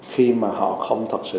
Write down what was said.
khi mà họ không thật sự